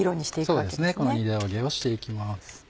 そうですね二度揚げをして行きます。